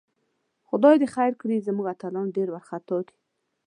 خدای دې خیر کړي، زموږ اتلان ډېر وارخطاء دي